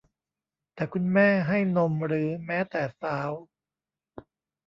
แต่คุณแม่ให้นมหรือแม้แต่สาว